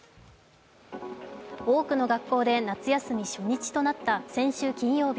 多くの学校で夏休み初日となった先週金曜日。